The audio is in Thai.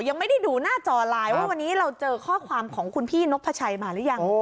ยังไม่ได้ดูหน้าจอไลน์ว่าวันนี้เราเจอข้อความของคุณพี่นกพระชัยมาหรือยัง